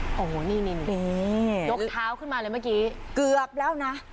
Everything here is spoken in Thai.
โอ้โหนี่ยกเท้าขึ้นมาเลยเมื่อกี้เกือบแล้วนะ